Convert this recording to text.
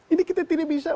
ini kita tidak bisa